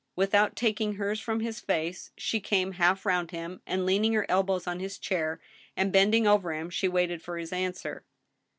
Without taking hers from his face, she came half round him, and leaning her elbows on his chair, and bending over him, she waited for his answer.